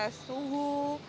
kan harus dites suhu